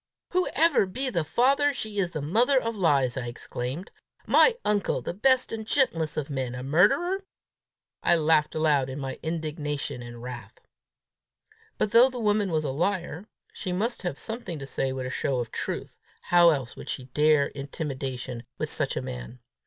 "Whoever be the father, she's the mother of lies!" I exclaimed. "My uncle the best and gentlest of men, a murderer!" I laughed aloud in my indignation and wrath. But, though the woman was a liar, she must have something to say with a show of truth! How else would she dare intimidation with such a man?